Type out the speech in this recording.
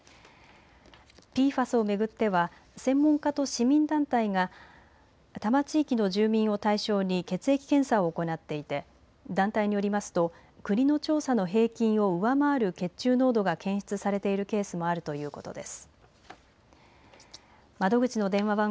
ＰＦＡＳを巡っては専門家と市民団体が多摩地域の住民を対象に血液検査を行っていて団体によりますと国の調査の平均を上回る血中濃度が検出されているケースもあるということです。